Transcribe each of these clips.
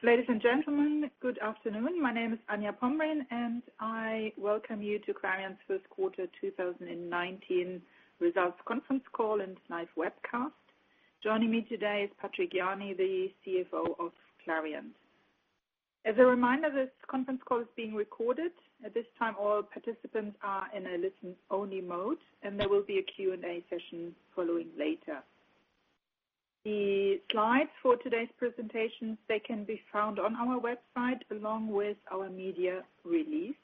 Ladies and gentlemen, good afternoon. My name is Anja Pomrehn, and I welcome you to Clariant's first quarter 2019 results conference call and live webcast. Joining me today is Patrick Jany, the CFO of Clariant. As a reminder, this conference call is being recorded. At this time, all participants are in a listen-only mode, and there will be a Q&A session following later. The slides for today's presentations, they can be found on our website along with our media release.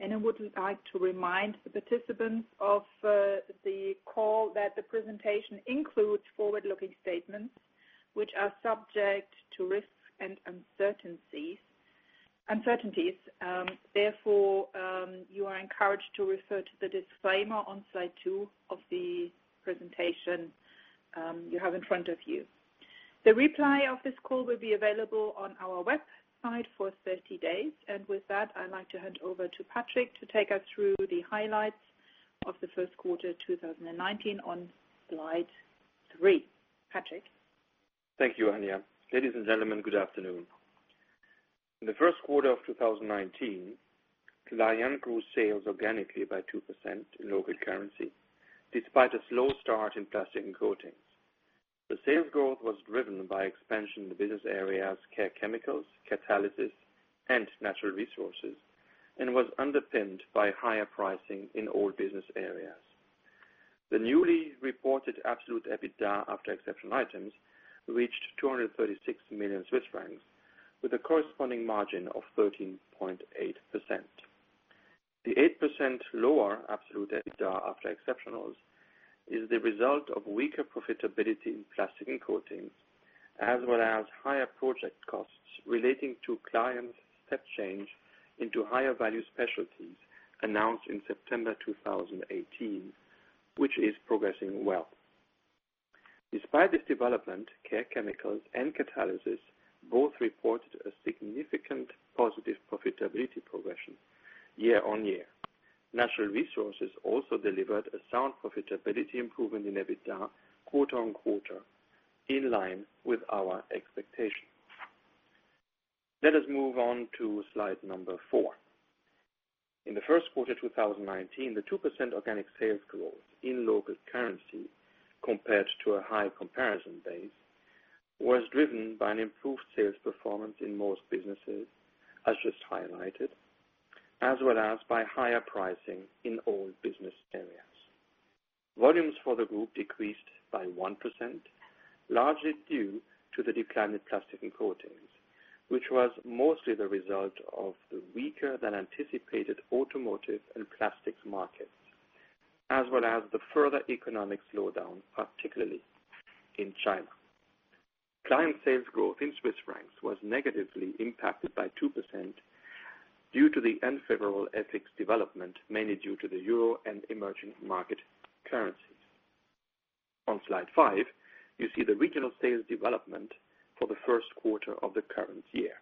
I would like to remind the participants of the call that the presentation includes forward-looking statements which are subject to risks and uncertainties. Therefore, you are encouraged to refer to the disclaimer on slide two of the presentation you have in front of you. The replay of this call will be available on our website for 30 days. With that, I'd like to hand over to Patrick to take us through the highlights of the first quarter 2019 on slide three. Patrick? Thank you, Anja. Ladies and gentlemen, good afternoon. In the first quarter of 2019, Clariant grew sales organically by 2% in local currency, despite a slow start in Plastics & Coatings. The sales growth was driven by expansion in the business areas Care Chemicals, Catalysis, and Natural Resources, and was underpinned by higher pricing in all business areas. The newly reported absolute EBITDA after exceptional items reached 236 million Swiss francs, with a corresponding margin of 13.8%. The 8% lower absolute EBITDA after exceptionals is the result of weaker profitability in Plastics & Coatings, as well as higher project costs relating to Clariant's step change into higher value specialties announced in September 2018, which is progressing well. Despite this development, Care Chemicals and Catalysis both reported a significant positive profitability progression year-on-year. Natural Resources also delivered a sound profitability improvement in EBITDA quarter-on-quarter, in line with our expectation. Let us move on to slide number four. In the first quarter 2019, the 2% organic sales growth in local currency compared to a high comparison base was driven by an improved sales performance in most businesses, as just highlighted, as well as by higher pricing in all business areas. Volumes for the group decreased by 1%, largely due to the decline in Plastics & Coatings, which was mostly the result of the weaker than anticipated automotive and plastics markets, as well as the further economic slowdown, particularly in China. Clariant sales growth in CHF was negatively impacted by 2% due to the unfavorable FX development, mainly due to the euro and emerging market currencies. On slide five, you see the regional sales development for the first quarter of the current year.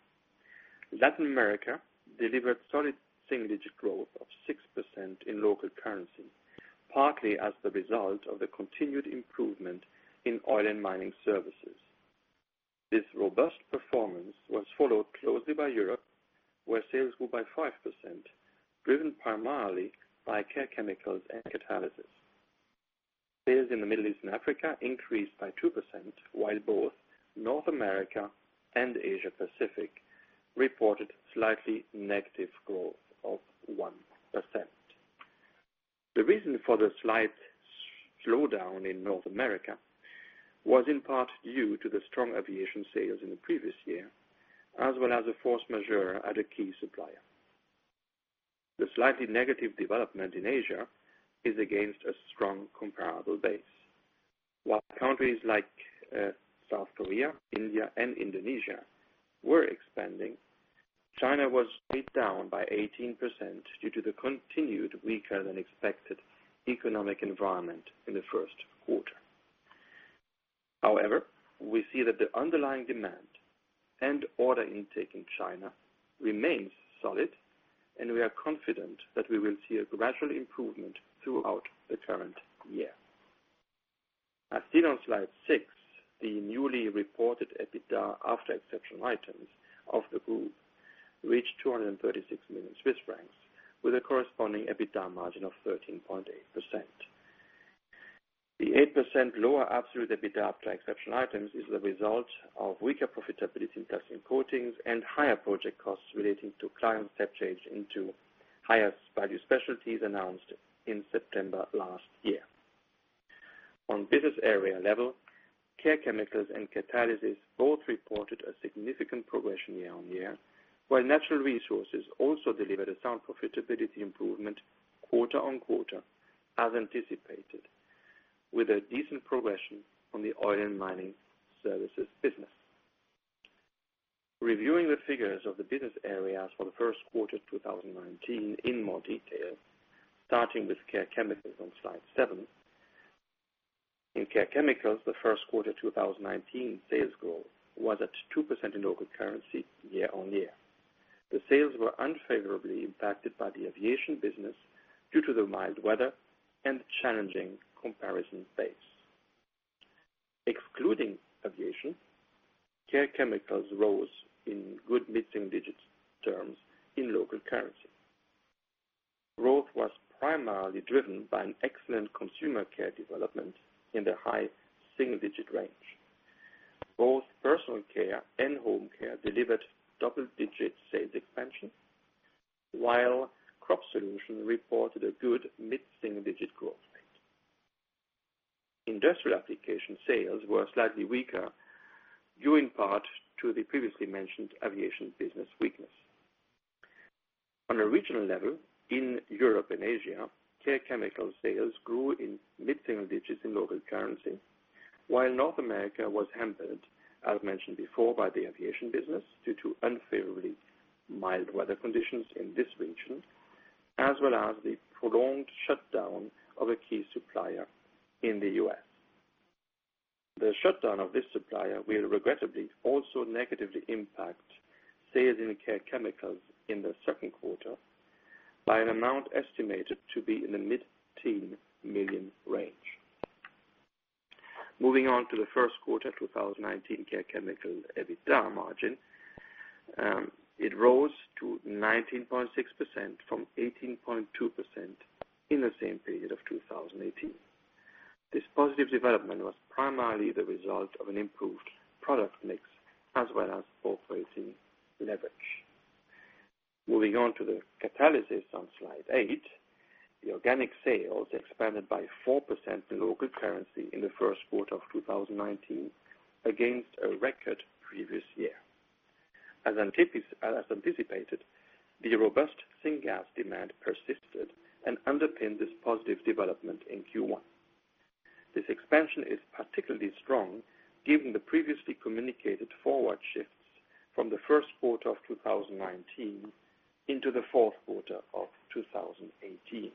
Latin America delivered solid single-digit growth of 6% in local currency, partly as the result of the continued improvement in Oil and Mining Services. This robust performance was followed closely by Europe, where sales grew by 5%, driven primarily by Care Chemicals and Catalysis. Sales in the Middle East and Africa increased by 2%, while both North America and Asia Pacific reported slightly negative growth of 1%. The reason for the slight slowdown in North America was in part due to the strong aviation sales in the previous year, as well as a force majeure at a key supplier. The slightly negative development in Asia is against a strong comparable base. While countries like South Korea, India, and Indonesia were expanding, China was down by 18% due to the continued weaker than expected economic environment in the first quarter. However, we see that the underlying demand and order intake in China remains solid, and we are confident that we will see a gradual improvement throughout the current year. As seen on slide six, the newly reported EBITDA after exceptional items of the group reached 236 million Swiss francs, with a corresponding EBITDA margin of 13.8%. The 8% lower absolute EBITDA after exceptional items is the result of weaker profitability in Plastics & Coatings and higher project costs relating to Clariant's step change into higher value specialties announced in September last year. On business area level, Care Chemicals and Catalysis both reported a significant progression year-on-year, while Natural Resources also delivered a sound profitability improvement quarter-on-quarter, as anticipated, with a decent progression on the Oil and Mining Services business. Reviewing the figures of the business areas for the first quarter 2019 in more detail, starting with Care Chemicals on slide seven. In Care Chemicals, the first quarter 2019 sales growth was at 2% in local currency year-on-year. The sales were unfavorably impacted by the aviation business due to the mild weather and challenging comparison base. Excluding aviation, Care Chemicals rose in good mid-single-digit terms in local currency. Growth was primarily driven by an excellent consumer care development in the high single-digit range. Both personal care and home care delivered double-digit sales expansion, while Crop Solutions reported a good mid-single-digit growth rate. Industrial application sales were slightly weaker, due in part to the previously mentioned aviation business weakness. On a regional level, in Europe and Asia, Care Chemicals sales grew in mid-single digits in local currency, while North America was hampered, as mentioned before, by the aviation business due to unfavorably mild weather conditions in this region, as well as the prolonged shutdown of a key supplier in the U.S. The shutdown of this supplier will regrettably also negatively impact sales in Care Chemicals in the second quarter by an amount estimated to be in the mid-teen million range. Moving on to the first quarter 2019 Care Chemicals EBITDA margin, it rose to 19.6% from 18.2% in the same period of 2018. This positive development was primarily the result of an improved product mix as well as operating leverage. Moving on to the Catalysis on slide eight, the organic sales expanded by 4% in local currency in the first quarter of 2019 against a record previous year. As anticipated, the robust syngas demand persisted and underpinned this positive development in Q1. This expansion is particularly strong given the previously communicated forward shifts from the first quarter of 2019 into the fourth quarter of 2018.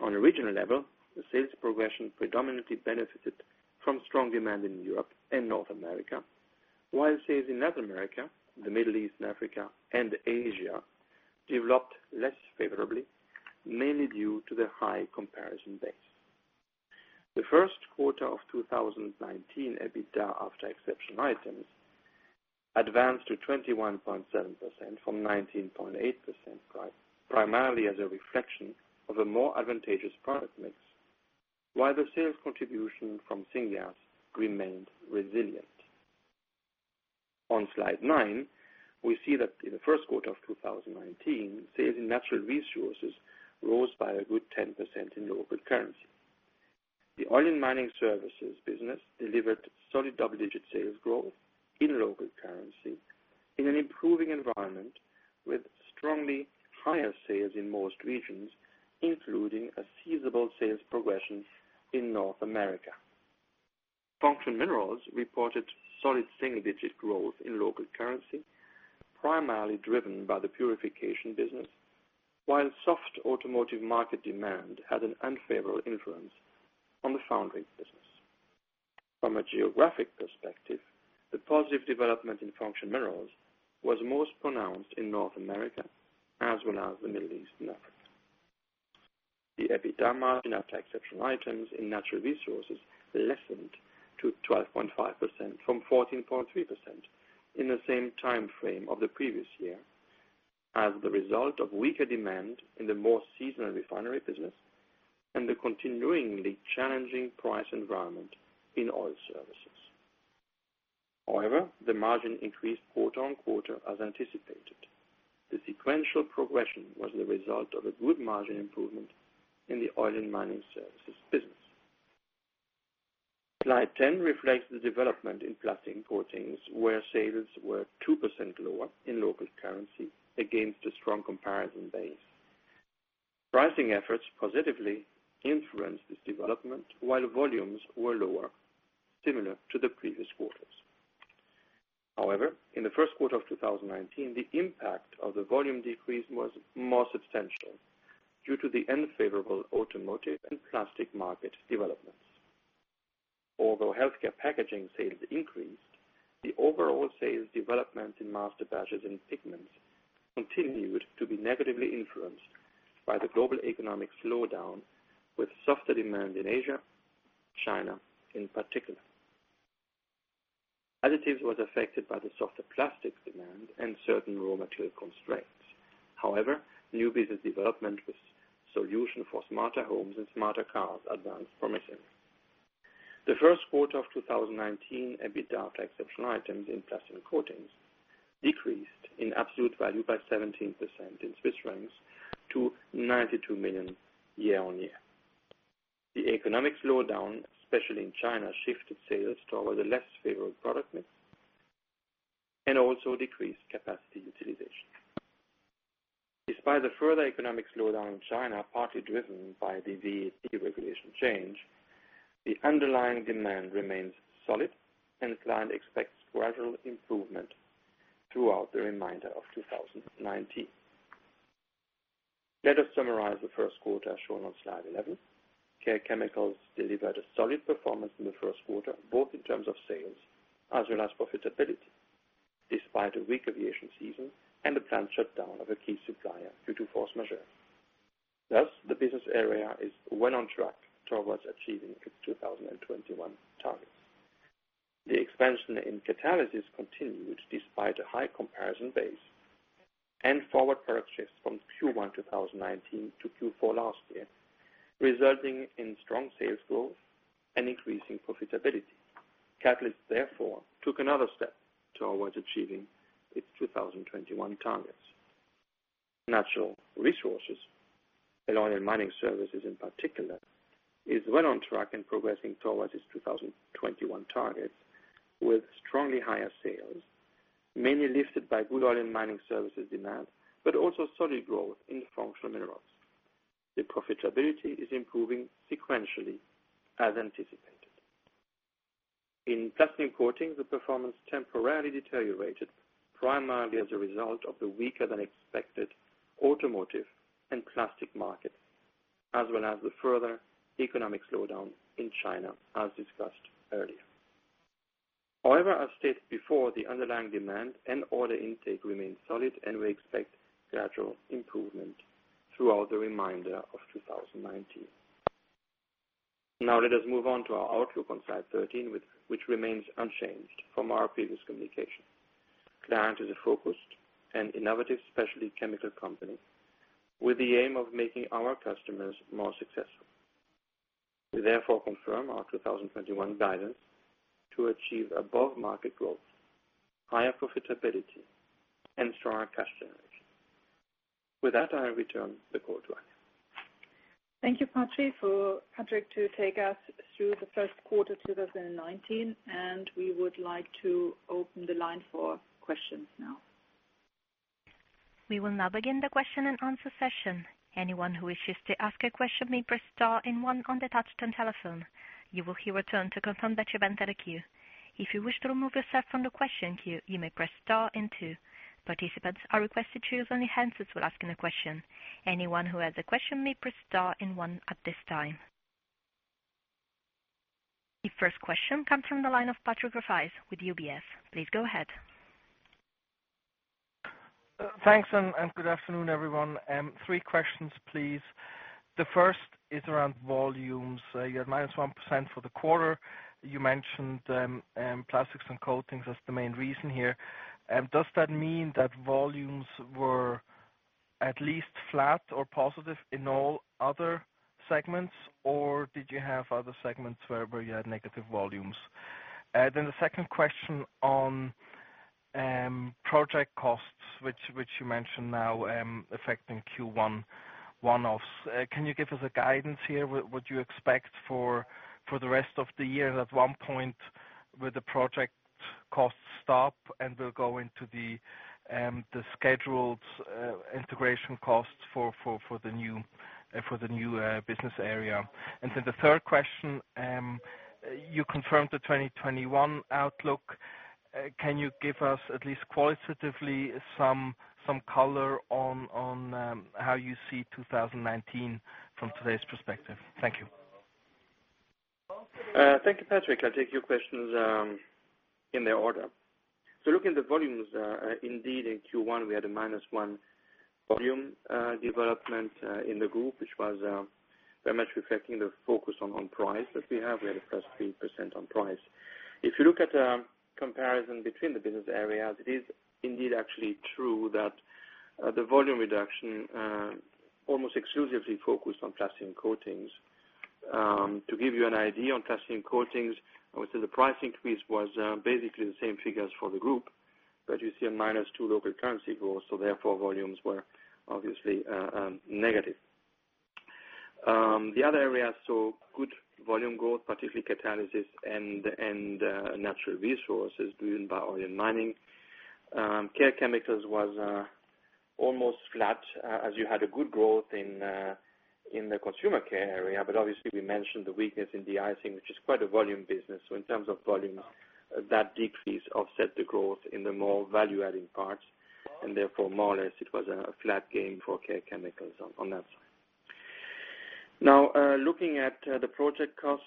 On a regional level, the sales progression predominantly benefited from strong demand in Europe and North America. While sales in Latin America, the Middle East and Africa, and Asia developed less favorably, mainly due to the high comparison base. The first quarter of 2019 EBITDA after exceptional items advanced to 21.7% from 19.8%, primarily as a reflection of a more advantageous product mix, while the sales contribution from syngas remained resilient. On slide nine, we see that in the first quarter of 2019, sales in Natural Resources rose by a good 10% in local currency. The Oil and Mining Services business delivered solid double-digit sales growth in local currency in an improving environment with strongly higher sales in most regions, including a favorable sales progression in North America. Functional Minerals reported solid single-digit growth in local currency, primarily driven by the purification business, while soft automotive market demand had an unfavorable influence on the foundry business. From a geographic perspective, the positive development in Functional Minerals was most pronounced in North America as well as the Middle East and Africa. The EBITDA margin after exceptional items in Natural Resources lessened to 12.5% from 14.3% in the same time frame of the previous year as the result of weaker demand in the more seasonal refinery business and the continuingly challenging price environment in oil services. However, the margin increased quarter-on-quarter as anticipated. The sequential progression was the result of a good margin improvement in the Oil and Mining Services business. Slide 10 reflects the development in Plastics & Coatings, where sales were 2% lower in local currency against a strong comparison base. Pricing efforts positively influenced this development, while volumes were lower, similar to the previous quarters. However, in the first quarter of 2019, the impact of the volume decrease was more substantial due to the unfavorable automotive and plastic market developments. Although healthcare packaging sales increased, the overall sales development in masterbatches and pigments continued to be negatively influenced by the global economic slowdown with softer demand in Asia, China in particular. Additives was affected by the softer plastics demand and certain raw material constraints. However, new business development with solution for smarter homes and smarter cars advanced promising. The first quarter of 2019, EBITDA after exceptional items in Plastics & Coatings decreased in absolute value by 17% in CHF to 92 million Swiss francs year-on-year. The economic slowdown, especially in China, shifted sales toward a less favorable product mix and also decreased capacity utilization. Despite the further economic slowdown in China, partly driven by the VAT regulation change, the underlying demand remains solid, and Clariant expects gradual improvement throughout the remainder of 2019. Let us summarize the first quarter shown on slide 11. Care Chemicals delivered a solid performance in the first quarter, both in terms of sales as well as profitability, despite a weak aviation season and the plant shutdown of a key supplier due to force majeure. Thus, the business area is well on track towards achieving its 2021 targets. The expansion in Catalysis continued despite a high comparison base and forward purchases from Q1 2019 to Q4 last year, resulting in strong sales growth and increasing profitability. Catalysis therefore took another step towards achieving its 2021 targets. Natural Resources, along with Mining Services in particular, is well on track and progressing towards its 2021 targets with strongly higher sales, mainly lifted by good Oil and Mining Services demand, but also solid growth in Functional Minerals. The profitability is improving sequentially as anticipated. In Plastics & Coatings, the performance temporarily deteriorated, primarily as a result of the weaker than expected automotive and plastic market, as well as the further economic slowdown in China as discussed earlier. However, as stated before, the underlying demand and order intake remains solid, and we expect gradual improvement throughout the remainder of 2019. Now let us move on to our outlook on slide 13, which remains unchanged from our previous communication. Clariant is a focused and innovative specialty chemical company with the aim of making our customers more successful. We therefore confirm our 2021 guidance to achieve above market growth, higher profitability and stronger cash generation. With that, I return the call to Anja. Thank you, Patrick. To take us through the first quarter 2019, we would like to open the line for questions now. We will now begin the question and answer session. Anyone who wishes to ask a question may press star and one on the touchtone telephone. You will hear a tone to confirm that you've entered a queue. If you wish to remove yourself from the question queue, you may press star and two. Participants are requested to use only enhances when asking a question. Anyone who has a question may press star and one at this time. The first question comes from the line of Patrick Rafaisz with UBS. Please go ahead. Thanks. Good afternoon, everyone. Three questions, please. The first is around volumes. You had minus 1% for the quarter. You mentioned Plastics & Coatings as the main reason here. Does that mean that volumes were at least flat or positive in all other segments, or did you have other segments where you had negative volumes? The second question on project costs, which you mentioned now affecting Q1 one-offs. Can you give us a guidance here? What do you expect for the rest of the year? At one point, will the project costs stop and will go into the scheduled integration costs for the new business area? The third question, you confirmed the 2021 outlook. Can you give us at least qualitatively some color on how you see 2019 from today's perspective? Thank you. Thank you, Patrick. I'll take your questions in their order. Looking at the volumes, indeed in Q1, we had a minus one volume development in the group, which was very much reflecting the focus on price that we have. We had a plus 3% on price. If you look at a comparison between the business areas, it is indeed actually true that the volume reduction almost exclusively focused on Plastics & Coatings. To give you an idea on Plastics & Coatings, I would say the price increase was basically the same figures for the group, but you see a minus two local currency growth, therefore, volumes were obviously negative. The other areas saw good volume growth, particularly Catalysis and Natural Resources driven by oil and mining. Care Chemicals was almost flat as you had a good growth in the Consumer Care area. Obviously we mentioned the weakness in de-icing, which is quite a volume business. In terms of volumes, that decrease offset the growth in the more value-adding parts, and therefore more or less it was a flat gain for Care Chemicals on that side. Looking at the project costs,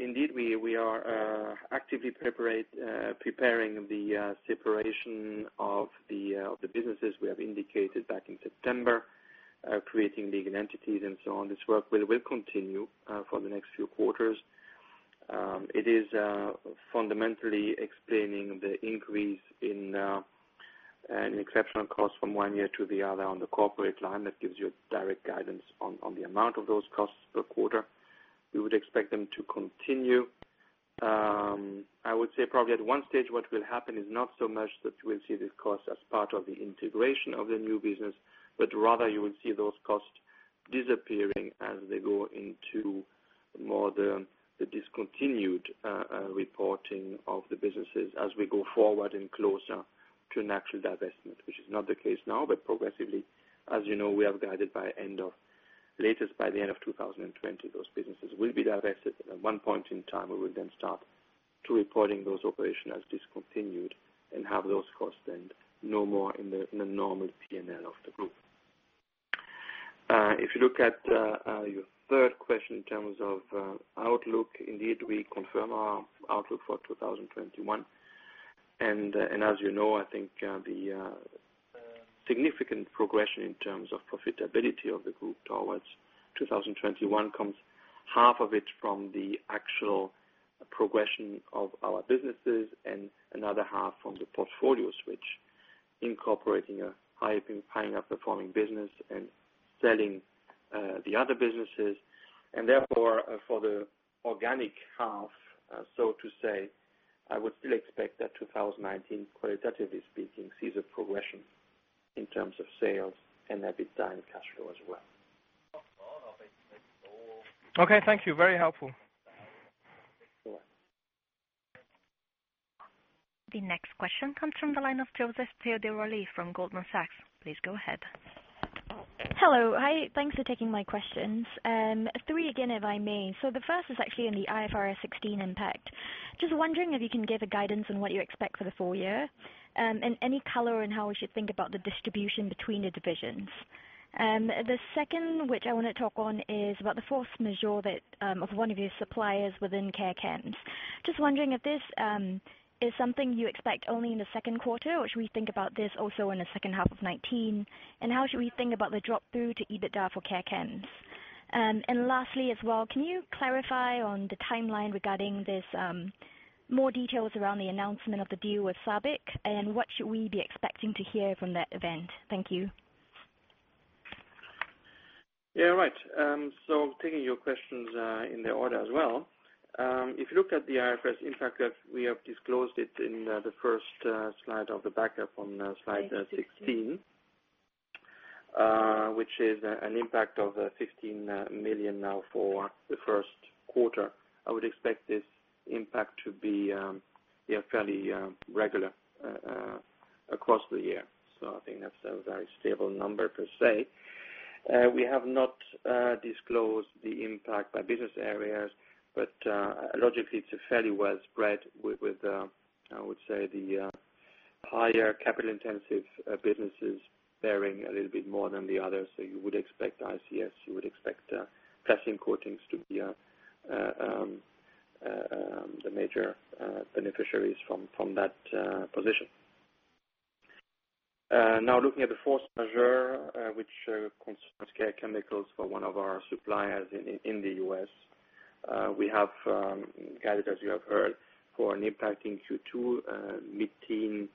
indeed we are actively preparing the separation of the businesses we have indicated back in September, creating legal entities and so on. This work will continue for the next few quarters. It is fundamentally explaining the increase in exceptional costs from one year to the other on the corporate line. That gives you direct guidance on the amount of those costs per quarter. We would expect them to continue. I would say probably at one stage what will happen is not so much that you will see this cost as part of the integration of the new business, but rather you will see those costs disappearing as they go into more the discontinued reporting of the businesses as we go forward and closer to an actual divestment, which is not the case now, but progressively, as you know, we have guided by the end of 2020, those businesses will be divested. At one point in time, we will then start to reporting those operation as discontinued and have those costs then no more in the normal P&L of the group. If you look at your third question in terms of outlook, indeed, we confirm our outlook for 2021. As you know, I think the significant progression in terms of profitability of the group towards 2021 comes half of it from the actual progression of our businesses and another half from the portfolio switch, incorporating a high-performing business and selling the other businesses. Therefore, for the organic half, so to say, I would still expect that 2019, qualitatively speaking, sees a progression in terms of sales and EBITDA and cash flow as well. Okay. Thank you. Very helpful. The next question comes from the line of Joseph Theodora Lee from Goldman Sachs. Please go ahead. Hello. Hi. Thanks for taking my questions. Three again, if I may. The first is actually on the IFRS 16 impact. Just wondering if you can give a guidance on what you expect for the full year, and any color on how we should think about the distribution between the divisions. The second, which I want to talk on, is about the force majeure of one of your suppliers within Care Chemicals. Just wondering if this is something you expect only in the second quarter, or should we think about this also in the second half of 2019? How should we think about the drop through to EBITDA for Care Chemicals? Lastly as well, can you clarify on the timeline regarding this, more details around the announcement of the deal with SABIC, and what should we be expecting to hear from that event? Thank you. Taking your questions in the order as well. If you look at the IFRS impact that we have disclosed it in the first slide of the backup on slide 16, which is an impact of 15 million now for the first quarter. I would expect this impact to be fairly regular across the year. I think that's a very stable number per se. We have not disclosed the impact by business areas, but logically, it's fairly well spread with, I would say, the higher capital-intensive businesses bearing a little bit more than the others. You would expect ICS, you would expect Plastics & Coatings to be the major beneficiaries from that position. Looking at the force majeure, which concerns Care Chemicals for one of our suppliers in the U.S. We have guided, as you have heard, for an impact in Q2, mid-teen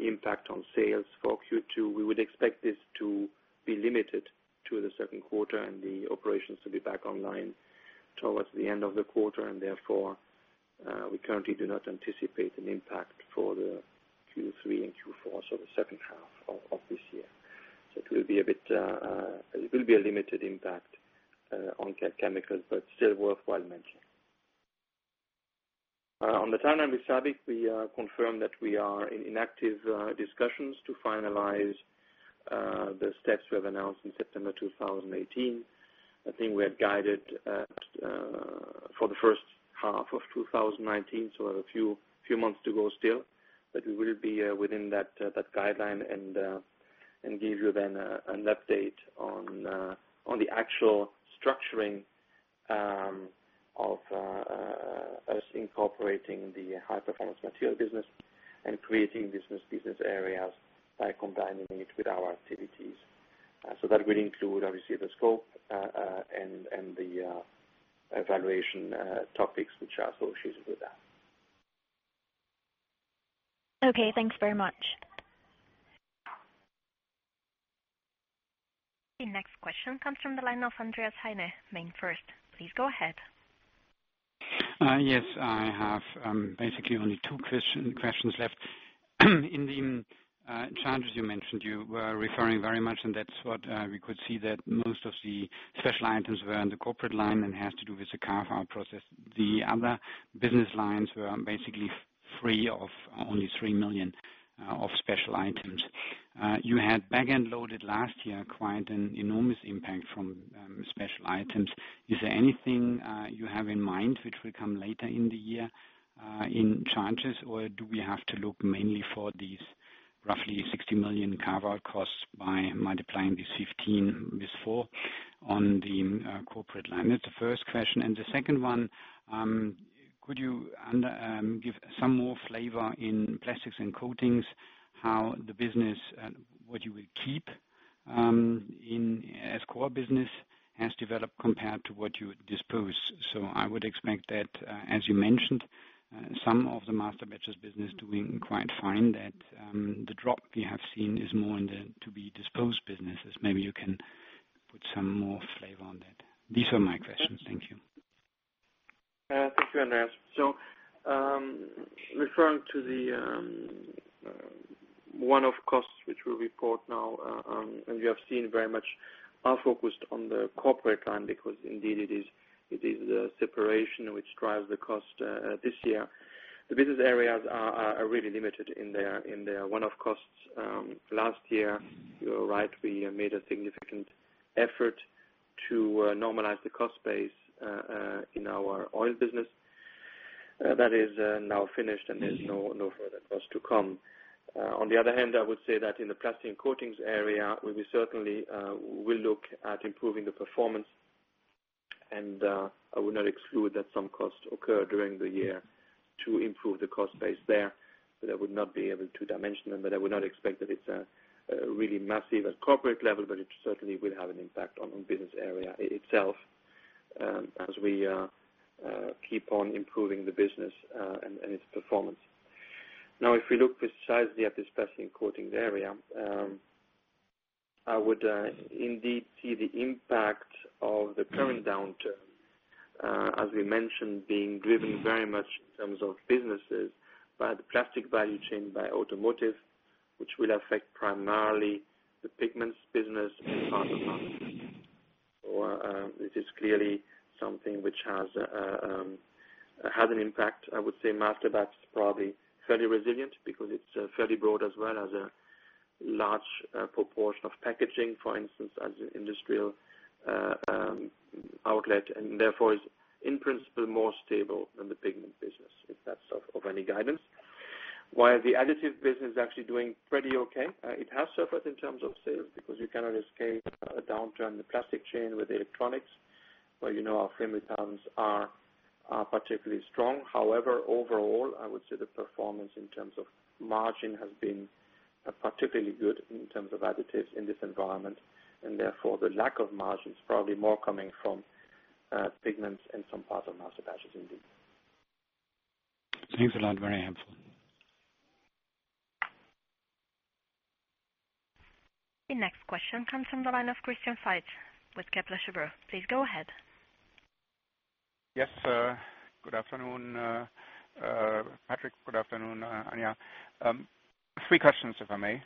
impact on sales for Q2. We would expect this to be limited to the second quarter and the operations to be back online towards the end of the quarter. Therefore, we currently do not anticipate an impact for the Q3 and Q4, so the second half of this year. It will be a limited impact on Care Chemicals, but still worthwhile mentioning. On the timeline with SABIC, we confirm that we are in active discussions to finalize the steps we have announced in September 2018. I think we had guided for the first half of 2019, a few months to go still. We will be within that guideline and give you then an update on the actual structuring of us incorporating the High Performance Materials business and creating business areas by combining it with our activities. That will include, obviously, the scope, and the evaluation topics which are associated with that. Okay, thanks very much. The next question comes from the line of Andreas Heine, MainFirst. Please go ahead. Yes. I have basically only two questions left. In the challenges you mentioned, you were referring very much, and that's what we could see that most of the special items were in the corporate line and have to do with the carve-out process. The other business lines were basically free of only three million of special items. You had back-end loaded last year, quite an enormous impact from special items. Is there anything you have in mind which will come later in the year in charges, or do we have to look mainly for these roughly 60 million carve-out costs by multiplying the 15 with four on the corporate line? That's the first question. The second one, could you give some more flavor in Plastics & Coatings, what you will keep as core business has developed compared to what you dispose. I would expect that, as you mentioned, some of the master batches business doing quite fine, that the drop we have seen is more in the to-be-disposed businesses. Maybe you can put some more flavor on that. These are my questions. Thank you. Thank you, Andreas. Referring to the one-off costs which we report now, and you have seen very much are focused on the corporate line because indeed it is the separation which drives the cost this year. The business areas are really limited in their one-off costs. Last year, you are right, we made a significant effort to normalize the cost base, in our oil business. That is now finished, and there's no further cost to come. On the other hand, I would say that in the Plastics & Coatings area, we certainly will look at improving the performance. I would not exclude that some costs occur during the year to improve the cost base there. I would not be able to dimension them. I would not expect that it's really massive at corporate level. It certainly will have an impact on business area itself as we keep on improving the business and its performance. Now, if we look precisely at the specialty coatings area, I would indeed see the impact of the current downturn, as we mentioned, being driven very much in terms of businesses by the plastic value chain by automotive, which will affect primarily the pigments business and part of masterbatches. It is clearly something which has had an impact. I would say masterbatch is probably fairly resilient because it's fairly broad as well as a large proportion of packaging, for instance, as an industrial outlet, and therefore is in principle more stable than the pigment business, if that's of any guidance. The Additives business is actually doing pretty okay. It has suffered in terms of sales because you cannot escape a downturn in the plastic chain with electronics, where you know our flame retardants are particularly strong. However, overall, I would say the performance in terms of margin has been particularly good in terms of Additives in this environment, and therefore, the lack of margin is probably more coming from pigments and some parts of masterbatches, indeed. Thanks a lot. Very helpful. The next question comes from the line of Christian Faitz with Kepler Cheuvreux. Please go ahead. Good afternoon, Patrick. Good afternoon, Anja. Three questions, if I may.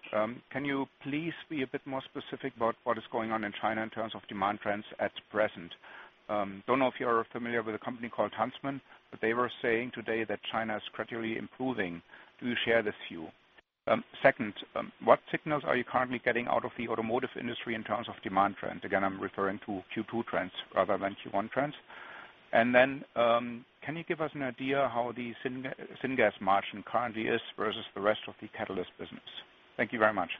Can you please be a bit more specific about what is going on in China in terms of demand trends at present? Do not know if you are familiar with a company called Huntsman, but they were saying today that China is gradually improving. Do you share this view? Second, what signals are you currently getting out of the automotive industry in terms of demand trends? Again, I'm referring to Q2 trends rather than Q1 trends. Can you give us an idea how the syngas margin currently is versus the rest of the catalyst business? Thank you very much.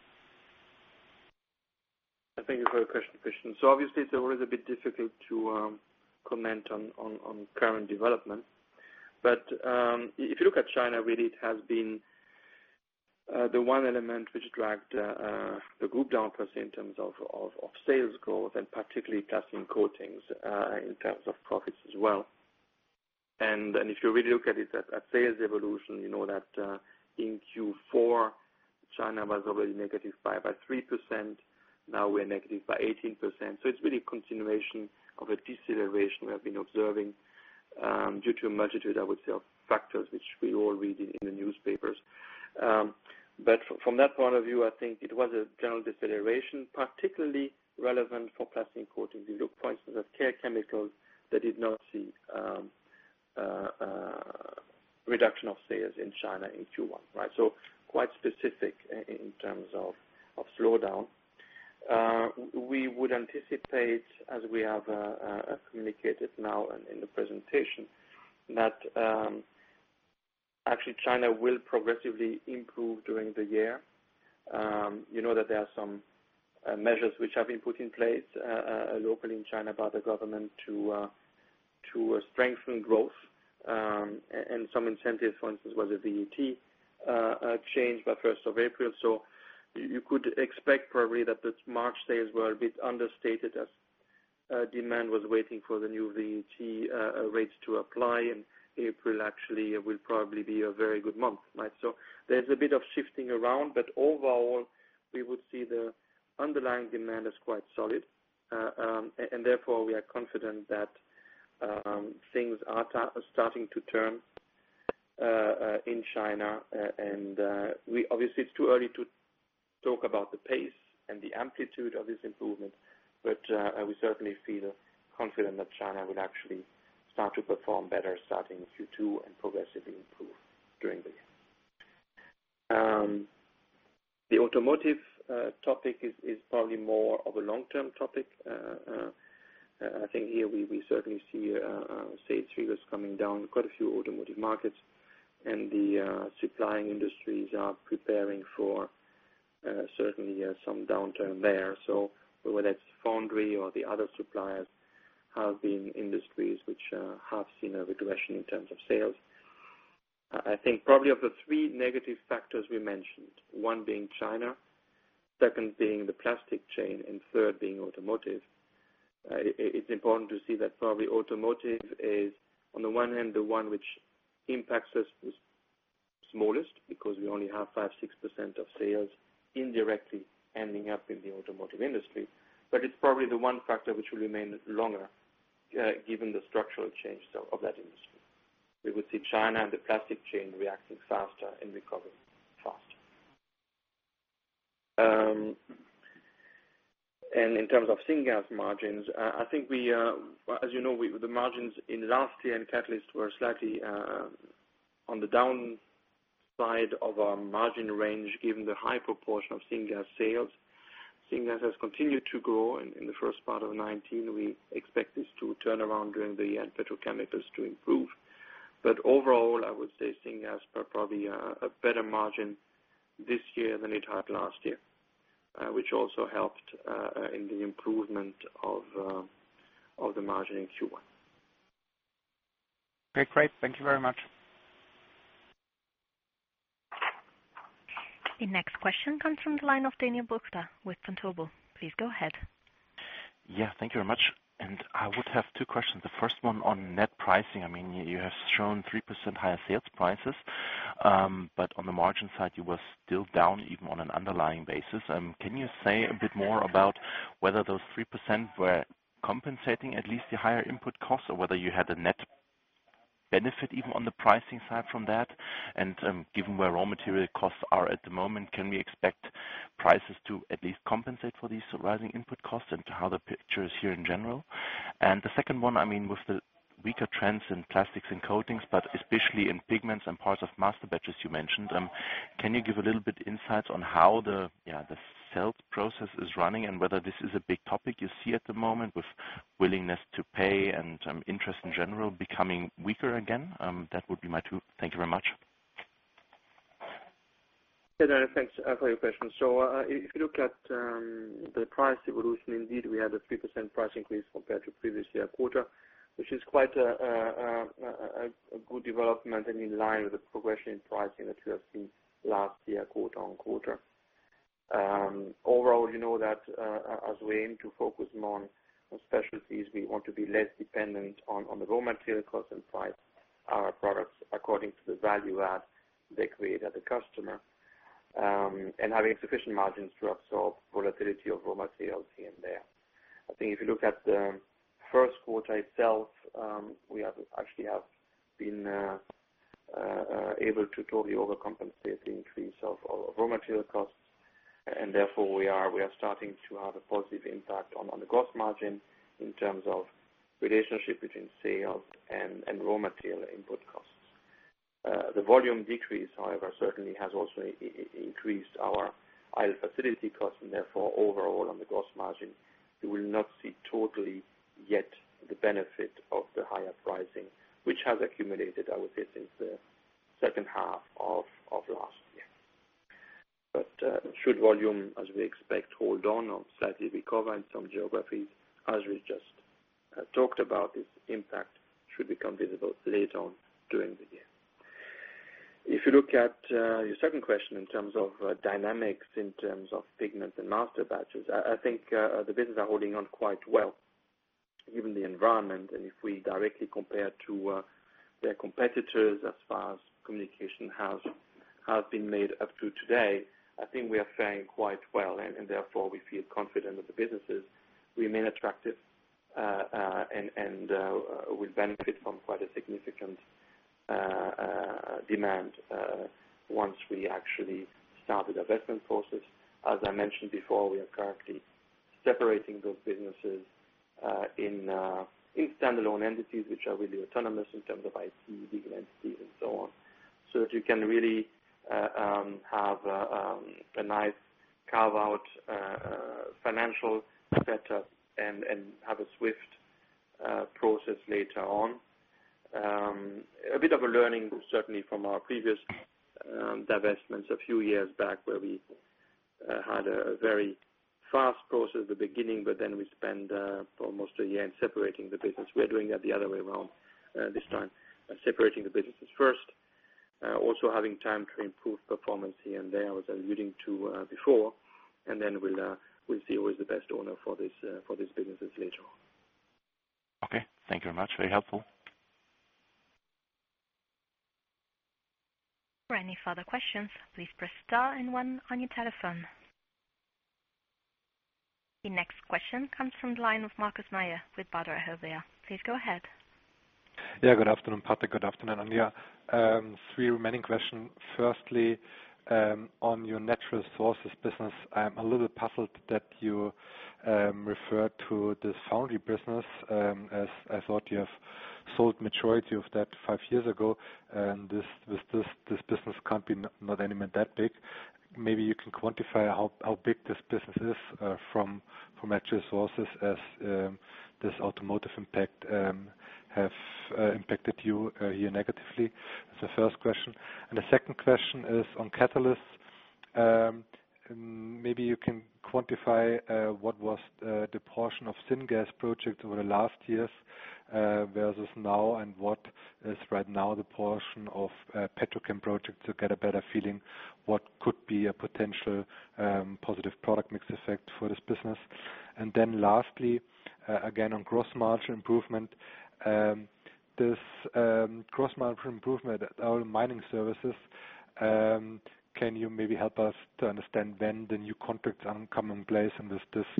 Thank you for the question, Christian. Obviously, it's always a bit difficult to comment on current development. If you look at China, really it has been the one element which dragged the group down in terms of sales growth and particularly Plastics & Coatings in terms of profits as well. If you really look at it as a sales evolution, you know that in Q4, China was already negative by 3%. Now we're negative by 18%. It's really a continuation of a deceleration we have been observing due to a multitude, I would say, of factors which we all read in the newspapers. From that point of view, I think it was a general deceleration, particularly relevant for Plastics & Coatings. If you look, for instance, at Care Chemicals, they did not see reduction of sales in China in Q1, right? Quite specific in terms of slowdown. We would anticipate, as we have communicated now and in the presentation, that actually China will progressively improve during the year. You know that there are some measures which have been put in place locally in China by the government to strengthen growth and some incentives, for instance, was the VAT change by 1st of April. You could expect probably that the March sales were a bit understated as demand was waiting for the new VAT rates to apply, and April actually will probably be a very good month. There's a bit of shifting around, but overall, we would see the underlying demand is quite solid. Therefore, we are confident that things are starting to turn in China. Obviously, it's too early to talk about the pace and the amplitude of this improvement, I would certainly feel confident that China will actually start to perform better starting Q2 and progressively improve during the year. The automotive topic is probably more of a long-term topic. I think here we certainly see sales figures coming down quite a few automotive markets, and the supplying industries are preparing for certainly some downturn there. Whether that's foundry or the other suppliers have been industries which have seen a regression in terms of sales. Probably of the three negative factors we mentioned, one being China, second being the plastic chain, and third being automotive. It's important to see that probably automotive is, on the one hand, the one which impacts us the smallest because we only have 5%, 6% of sales indirectly ending up in the automotive industry. It's probably the one factor which will remain longer given the structural change of that industry. We would see China and the plastic chain reacting faster and recovering faster. In terms of syngas margins, I think as you know, the margins in last year in catalysts were slightly on the downside of our margin range, given the high proportion of syngas sales. Syngas has continued to grow in the first part of 2019. We expect this to turn around during the year and petrochemicals to improve. Overall, I would say Syngas is probably a better margin this year than it had last year, which also helped in the improvement of the margin in Q1. Okay, great. Thank you very much. The next question comes from the line of Daniel Buchta with Vontobel. Please go ahead. Yeah, thank you very much. I would have two questions. The first one on net pricing. You have shown 3% higher sales prices, but on the margin side you were still down even on an underlying basis. Can you say a bit more about whether those 3% were compensating at least the higher input costs, or whether you had a net benefit even on the pricing side from that? Given where raw material costs are at the moment, can we expect prices to at least compensate for these rising input costs and how the picture is here in general? The second one, with the weaker trends in Plastics & Coatings, but especially in pigments and parts of masterbatches you mentioned, can you give a little bit insight on how the sales process is running and whether this is a big topic you see at the moment with willingness to pay and interest in general becoming weaker again? That would be my two. Thank you very much. Yeah, Daniel, thanks for your question. If you look at the price evolution, indeed we had a 3% price increase compared to previous year quarter, which is quite a good development and in line with the progression in pricing that we have seen last year, quarter-on-quarter. Overall, you know that as we aim to focus more on specialties, we want to be less dependent on the raw material cost and price our products according to the value add they create at the customer, and having sufficient margins to absorb volatility of raw materials here and there. I think if you look at the first quarter itself, we actually have been able to totally overcompensate the increase of our raw material costs, and therefore we are starting to have a positive impact on the gross margin in terms of relationship between sales and raw material input costs. The volume decrease, however, certainly has also increased our idle facility cost and therefore overall on the gross margin, you will not see totally yet the benefit of the higher pricing, which has accumulated, I would say, since the second half of last year. Should volume, as we expect, hold on or slightly recover in some geographies, as we just talked about, its impact should become visible later on during the year. If you look at your second question in terms of dynamics, in terms of pigments and masterbatches, I think the business are holding on quite well given the environment. If we directly compare to their competitors as far as communication has been made up to today, I think we are faring quite well, and therefore we feel confident that the businesses remain attractive, and will benefit from quite a significant demand once we actually start the divestment process. As I mentioned before, we are currently separating those businesses in standalone entities, which are really autonomous in terms of IC legal entities and so on, so that you can really have a nice carve-out financial setup and have a swift process later on. A bit of a learning certainly from our previous divestments a few years back where we had a very fast process at the beginning, but then we spent almost a year in separating the business. We are doing that the other way around this time, separating the businesses first, also having time to improve performance here and there, as I was alluding to before. Then we'll see who is the best owner for these businesses later on. Okay. Thank you very much. Very helpful. For any further questions, please press star and one on your telephone. The next question comes from the line of Markus Mayer with Baader Helvea. Please go ahead. Good afternoon, Patrick. Good afternoon, Anja. Three remaining question. Firstly, on your Natural Resources business, I am a little puzzled that you referred to this foundry business, as I thought you have sold majority of that five years ago. This business can't be not anymore that big. Maybe you can quantify how big this business is from Natural Resources as this automotive impact have impacted you here negatively. That's the first question. The second question is on catalysts. Maybe you can quantify what was the portion of syngas project over the last years versus now, and what is right now the portion of Petrochem project to get a better feeling what could be a potential positive product mix effect for this business. Then lastly, again, on gross margin improvement. This gross margin improvement at our Oil and Mining Services, can you maybe help us to understand when the new contracts are coming in place, and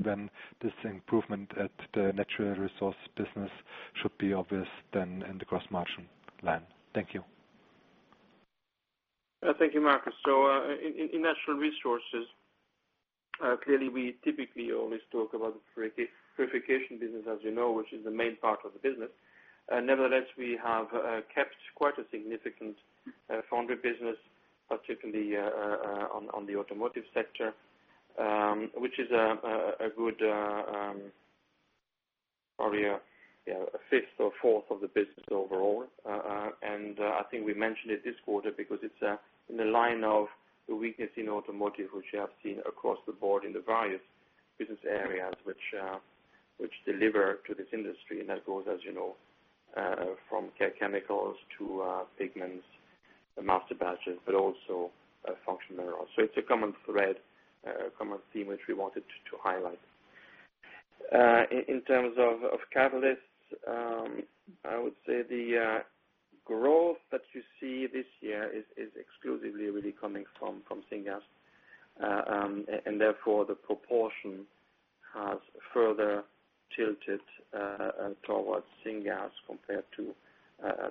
when this improvement at the Natural Resources business should be obvious then in the gross margin line? Thank you. Thank you, Markus. In Natural Resources, clearly we typically always talk about the purification business, as you know, which is the main part of the business. Nevertheless, we have kept quite a significant foundry business, particularly on the automotive sector, which is Probably a fifth or fourth of the business overall. I think we mentioned it this quarter because it's in the line of the weakness in automotive, which you have seen across the board in the various business areas which deliver to this industry. That goes, as you know, from Care Chemicals to pigments and masterbatches, but also Functional Minerals. It's a common thread, a common theme, which we wanted to highlight. In terms of catalysts, I would say the growth that you see this year is exclusively really coming from syngas, therefore, the proportion has further tilted towards syngas compared to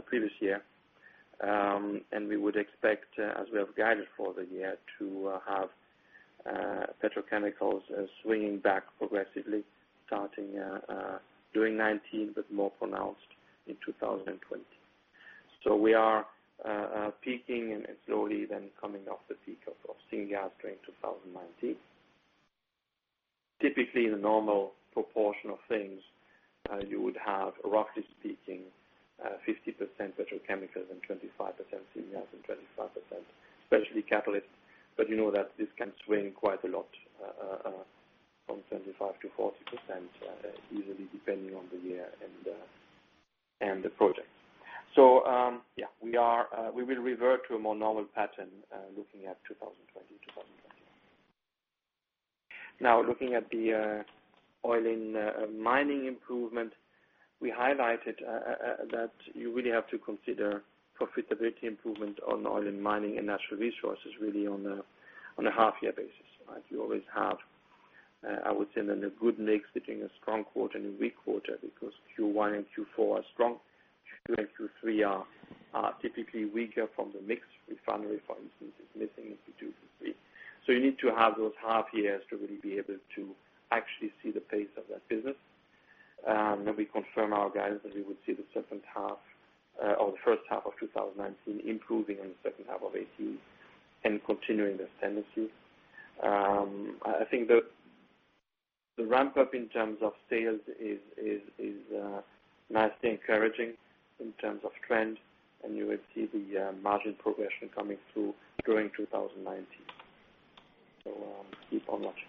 previous year. We would expect, as we have guided for the year, to have petrochemicals swinging back progressively, starting during 2019, but more pronounced in 2020. We are peaking and slowly then coming off the peak of syngas during 2019. Typically, the normal proportion of things, you would have, roughly speaking, 50% petrochemicals, 25% syngas, and 25% especially catalysts. You know that this can swing quite a lot, from 25%-40% easily, depending on the year and the project. Yeah, we will revert to a more normal pattern looking at 2020, 2021. Looking at the Oil and Mining Services improvement, we highlighted that you really have to consider profitability improvement on Oil and Mining Services and Natural Resources really on a half-year basis, as you always have. I would say in a good mix between a strong quarter and a weak quarter, because Q1 and Q4 are strong. Q2 and Q3 are typically weaker from the mix. Refinery, for instance, is missing in Q2 and Q3. You need to have those half years to really be able to actually see the pace of that business. We confirm our guidance that we would see the first half of 2019 improving in the second half of 2018 and continuing this tendency. I think the ramp-up in terms of sales is nicely encouraging in terms of trend, you will see the margin progression coming through during 2019. Keep on watching.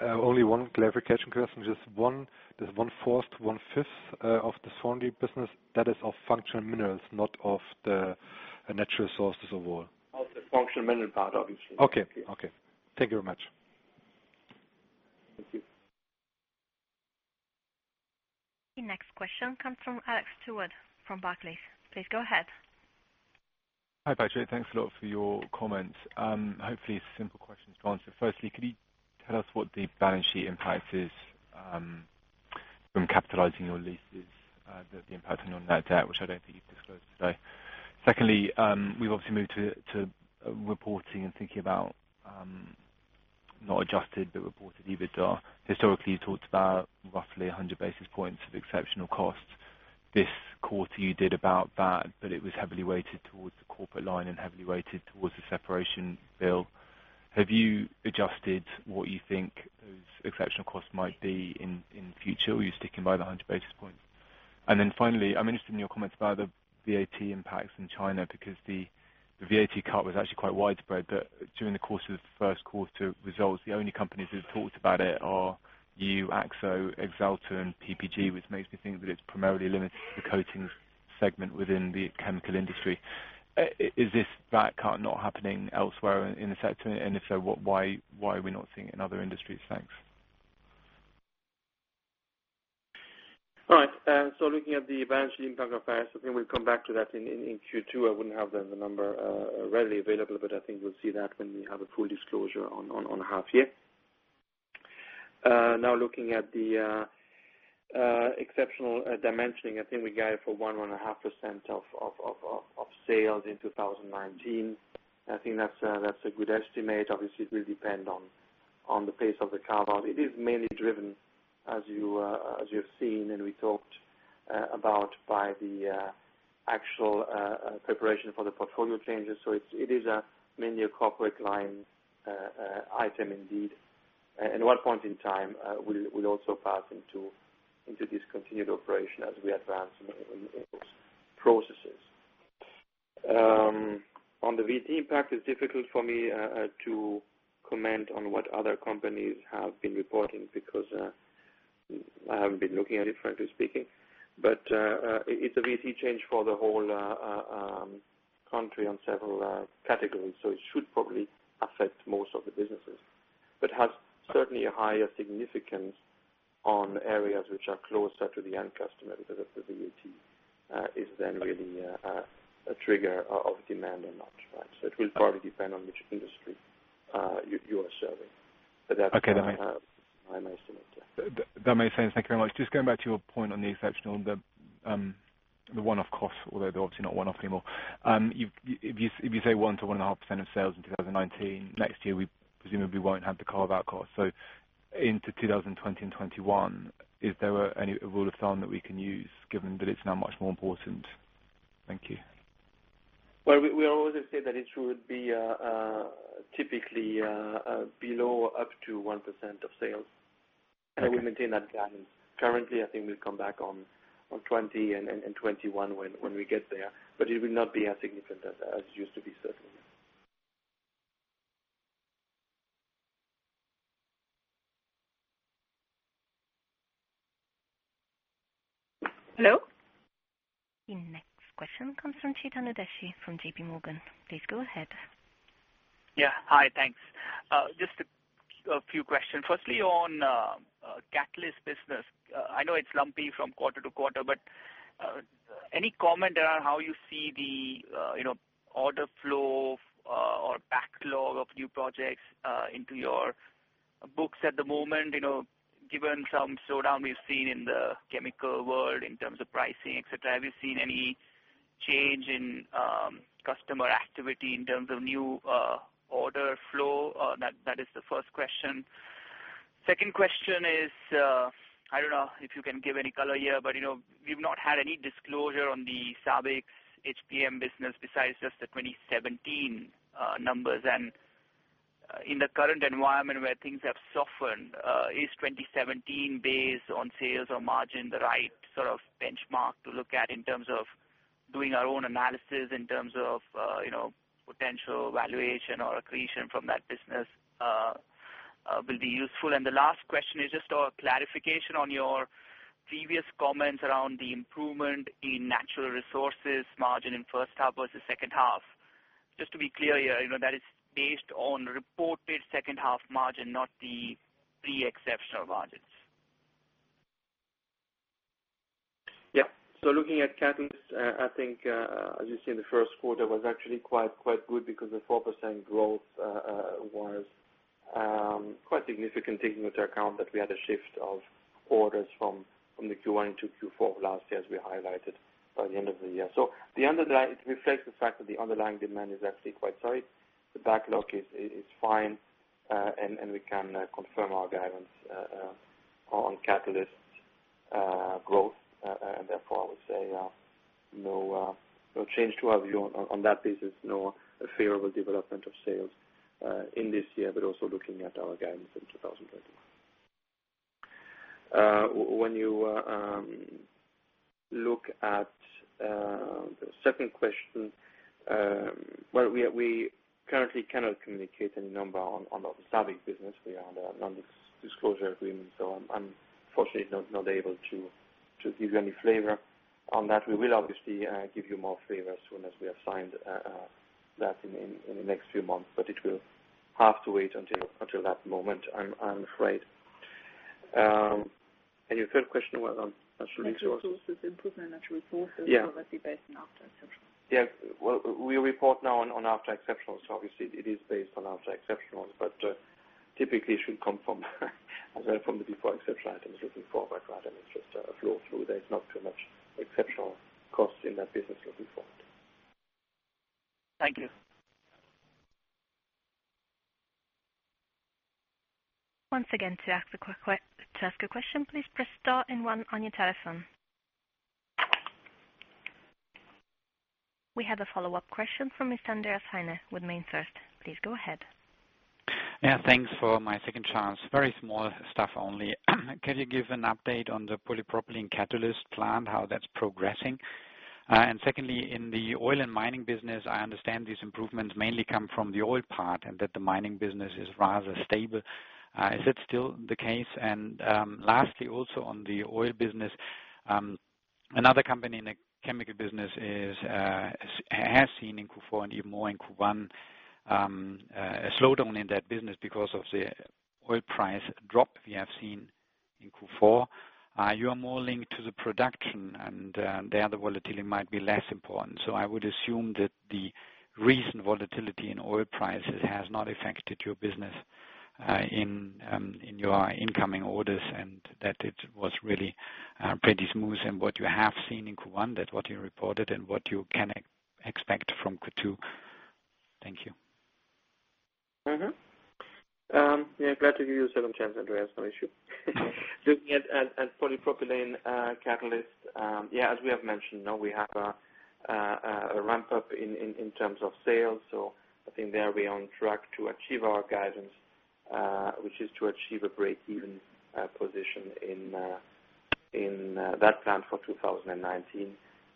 Only one clarification question. Just one. There's one fourth to one fifth of the Swansea business that is of Functional Minerals, not of the Natural Resources overall. Of the Functional Minerals part, obviously. Okay. Thank you very much. Thank you. The next question comes from Alex Stewart from Barclays. Please go ahead. Hi, Patrick. Thanks a lot for your comments. Hopefully, simple questions to answer. Firstly, could you tell us what the balance sheet impact is from capitalizing your leases, the impact on your net debt, which I don't think you've disclosed today. Secondly, we've obviously moved to reporting and thinking about not adjusted, but reported EBITDA. Historically, you talked about roughly 100 basis points of exceptional costs. This quarter, you did about that, but it was heavily weighted towards the corporate line and heavily weighted towards the separation bill. Have you adjusted what you think those exceptional costs might be in future, or are you sticking by the 100 basis points? Finally, I'm interested in your comments about the VAT impacts in China, because the VAT cut was actually quite widespread, but during the course of the first quarter results, the only companies who've talked about it are you, Akzo, Axalta, and PPG, which makes me think that it's primarily limited to the coatings segment within the chemical industry. Is this VAT cut not happening elsewhere in the sector? If so, why are we not seeing it in other industries? Thanks. All right. Looking at the balance sheet impact of IFRS 16, I think we'll come back to that in Q2. I wouldn't have the number readily available, but I think we'll see that when we have a full disclosure on half year. Now, looking at the exceptional dimensioning, I think we guided for 1.5% of sales in 2019. I think that's a good estimate. Obviously, it will depend on the pace of the carve-out. It is mainly driven, as you have seen and we talked about, by the actual preparation for the portfolio changes. It is mainly a corporate line item indeed. At one point in time, we'll also pass into discontinued operation as we advance in those processes. On the VAT impact, it's difficult for me to comment on what other companies have been reporting, because I haven't been looking at it, frankly speaking. It's a VAT change for the whole country on several categories, it should probably affect most of the businesses, but has certainly a higher significance on areas which are closer to the end customer because of the VAT is then really a trigger of demand or not. It will probably depend on which industry you are serving. Okay. My estimate, yeah. That makes sense. Thank you very much. Just going back to your point on the exceptional, the one-off costs, although they're obviously not one-off anymore. If you say 1%-1.5% of sales in 2019, next year, we presumably won't have the carve-out cost. Into 2020 and 2021, is there a rule of thumb that we can use, given that it's now much more important? Thank you. Well, we always say that it would be typically below up to 1% of sales. Okay. We maintain that guidance. Currently, I think we'll come back on 2020 and 2021 when we get there, but it will not be as significant as it used to be, certainly. Hello? The next question comes from Chetan Udeshi from JPMorgan. Please go ahead. Hi, thanks. Just a few questions. Firstly, on Catalyst business. I know it's lumpy from quarter-to-quarter, but any comment around how you see the order flow or backlog of new projects into your books at the moment, given some slowdown we've seen in the chemical world in terms of pricing, et cetera. Have you seen any change in customer activity in terms of new order flow? That is the first question. Second question is, I don't know if you can give any color here, but we've not had any disclosure on the SABIC HPM business besides just the 2017 numbers. In the current environment where things have softened, is 2017 based on sales or margin the right sort of benchmark to look at in terms of doing our own analysis in terms of potential valuation or accretion from that business will be useful. The last question is just a clarification on your previous comments around the improvement in Natural Resources margin in first half versus second half. Just to be clear here, that is based on reported second half margin, not the pre-exceptional margins. Yeah. Looking at Clariant Catalysts, I think, as you see in the first quarter, was actually quite good because the 4% growth was quite significant, taking into account that we had a shift of orders from the Q1 into Q4 last year, as we highlighted by the end of the year. It reflects the fact that the underlying demand is actually quite solid. The backlog is fine, we can confirm our guidance on Clariant Catalysts growth, therefore I would say no change to our view on that business, no favorable development of sales in this year, but also looking at our guidance in 2021. When you look at the second question, well, we currently cannot communicate any number on the SABIC business. We are under a non-disclosure agreement, I'm unfortunately not able to give you any flavor on that. We will obviously give you more flavor as soon as we have signed that in the next few months, but it will have to wait until that moment, I'm afraid. Your third question, I'm not really sure what- Natural Resources. Improvement in Natural Resources- Yeah. -will that be based on after exceptionals? Yeah. Well, we report now on after exceptionals, so obviously it is based on after exceptionals, but typically should come from the before exceptional items looking forward. It's just a flow through. There's not too much exceptional costs in that business looking forward. Thank you. Once again, to ask a question, please press star and one on your telephone. We have a follow-up question from Mr. Andreas Heine with MainFirst. Please go ahead. Yeah, thanks for my second chance. Very small stuff only. Can you give an update on the polypropylene catalyst plant, how that's progressing? Secondly, in the oil and mining business, I understand these improvements mainly come from the oil part, and that the mining business is rather stable. Is that still the case? Lastly also, on the oil business, another company in the chemical business has seen in Q4 and even more in Q1 a slowdown in that business because of the oil price drop we have seen in Q4. You are more linked to the production and there the volatility might be less important. I would assume that the recent volatility in oil prices has not affected your business in your incoming orders, and that it was really pretty smooth and what you have seen in Q1, that what you reported and what you can expect from Q2. Thank you. Mm-hmm. Glad to give you a second chance, Andreas, no issue. Looking at polypropylene catalyst, as we have mentioned, we have a ramp-up in terms of sales. I think there we are on track to achieve our guidance, which is to achieve a breakeven position in that plant for 2019,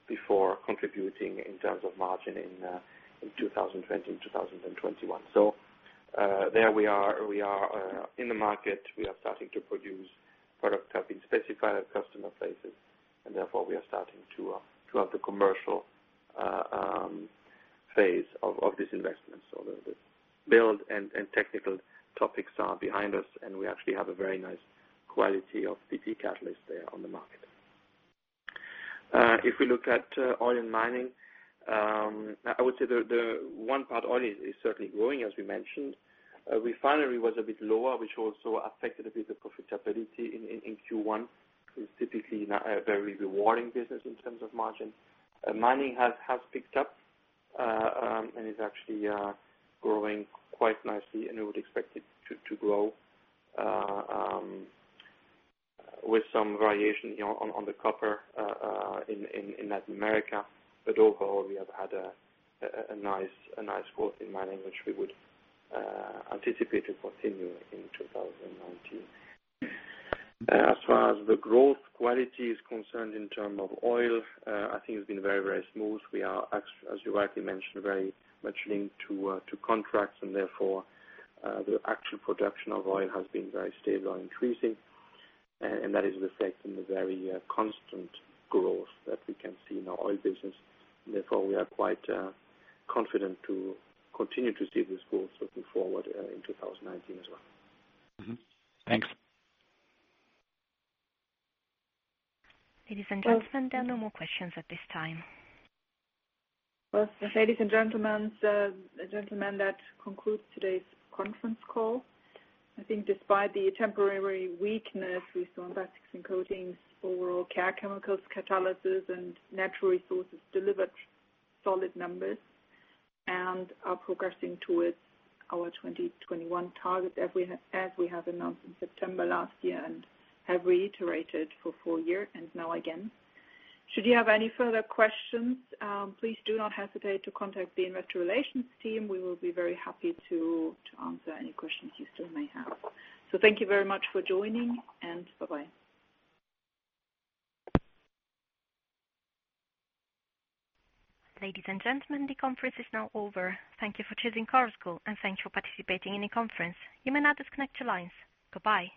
before contributing in terms of margin in 2020 and 2021. There we are in the market. We are starting to produce. Products have been specified at customer places, and therefore we are starting throughout the commercial phase of this investment. The build and technical topics are behind us, and we actually have a very nice quality of PP catalysts there on the market. If we look at Oil and Mining, I would say the one part oil is certainly growing, as we mentioned. Refinery was a bit lower, which also affected a bit the profitability in Q1, is typically not a very rewarding business in terms of margin. Mining has picked up, and is actually growing quite nicely, and we would expect it to grow with some variation on the copper in Latin America. Overall, we have had a nice growth in mining, which we would anticipate to continue in 2019. As far as the growth quality is concerned in term of oil, I think it's been very, very smooth. We are, as you rightly mentioned, very much linked to contracts and therefore the actual production of oil has been very stable and increasing. That is reflecting the very constant growth that we can see in our oil business, and therefore we are quite confident to continue to see this growth looking forward in 2019 as well. Mm-hmm. Thanks. Ladies and gentlemen, there are no more questions at this time. Well, ladies and gentlemen, that concludes today's conference call. I think despite the temporary weakness we saw in Plastics & Coatings, overall Care Chemicals, Catalysis, and Natural Resources delivered solid numbers and are progressing towards our 2021 target, as we have announced in September last year and have reiterated for full year and now again. Should you have any further questions, please do not hesitate to contact the investor relations team. We will be very happy to answer any questions you still may have. Thank you very much for joining, and bye-bye. Ladies and gentlemen, the conference is now over. Thank you for choosing Chorus Call, and thank you for participating in the conference. You may now disconnect your lines. Goodbye.